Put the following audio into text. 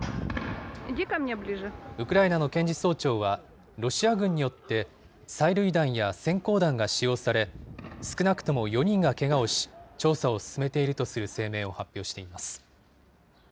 ウクライナの検事総長は、ロシア軍によって催涙弾やせん光弾が使用され、少なくとも４人がけがをし、調査を進めているとする声明を発表しています。